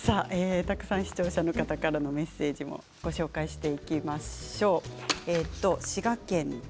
たくさん視聴者の方からメッセージもご紹介していきましょう。